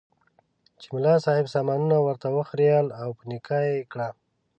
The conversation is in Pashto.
چې ملا صاحب سامانونه ورته وخریېل او په نکاح یې کړه.